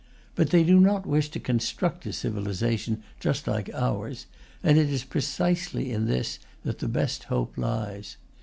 But they do not wish to construct a civilization just like ours; and it is precisely in this that the best hope lies.